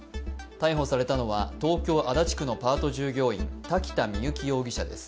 逮捕されたのは、東京・足立区のパート従業員、瀧田深雪容疑者です。